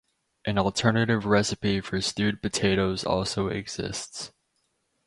An alternative recipe for stewed potatoes also exists.